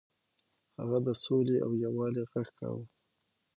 هغه د سولې او یووالي غږ کاوه.